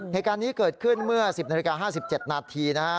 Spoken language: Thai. เหตุการณ์นี้เกิดขึ้นเมื่อ๑๐นาฬิกา๕๗นาทีนะฮะ